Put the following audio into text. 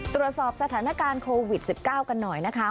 ตรวจสอบสถานการณ์โควิด๑๙กันหน่อยนะคะ